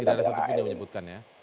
tidak ada satu pun yang menyebutkan ya